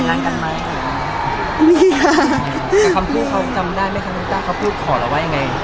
แต่คำพูดเขาจำได้ไหมคำพูดขอแล้วว่ายังไง